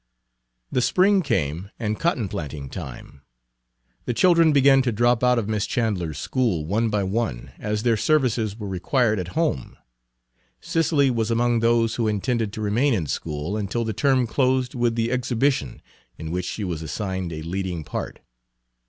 The spring came and cotton planting time. The children began to drop out of Miss Chandler's school one by one, as their services were required at home. Cicely was among those who intended to remain in school until the term closed with the "exhibition," in which she was assigned a leading part.